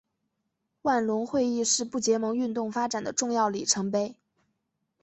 万隆会议是不结盟运动发展的重要里程碑。